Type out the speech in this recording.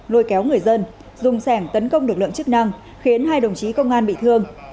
lôi kéo người dân dùng sẻng tấn công lực lượng chức năng khiến hai đồng chí công an bị thương